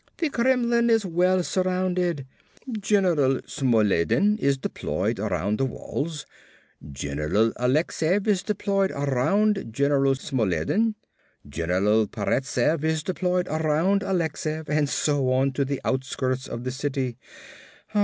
"The Kremlin is well surrounded. General Smolledin is deployed around the walls; General Alexeiev is deployed around General Smolledin; General Paretsev is deployed around Alexeiev and so on to the outskirts of the city.